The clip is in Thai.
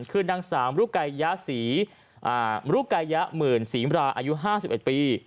คืนนางสามลูกไกยยะหมื่นศรีมราอายุ๕๑ปี